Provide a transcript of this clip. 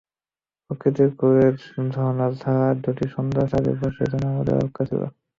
প্রকৃতির কোলে ঝরনাধারা দুটি সুন্দর সাজে বসে যেন আমাদের অপেক্ষায় ছিল।